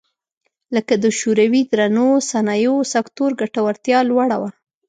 لکه د شوروي درنو صنایعو سکتور ګټورتیا لوړه وه